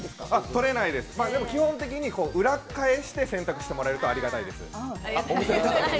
とれないです、基本的に裏返して洗濯してもらえるとありがたいです。